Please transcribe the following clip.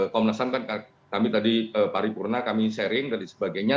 komnas ham kan kami tadi paripurna kami sharing dan sebagainya